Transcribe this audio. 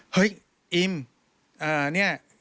เฮ้ยอิมเนี่ย